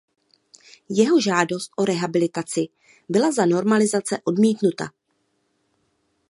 Jeho žádost o rehabilitaci byla za normalizace odmítnuta.